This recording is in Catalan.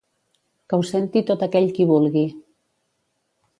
Que ho senti tot aquell qui vulgui.